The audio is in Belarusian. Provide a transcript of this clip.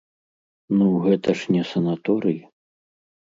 Ну, гэта ж не санаторый.